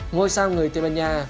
ngôi sao người tây ban nha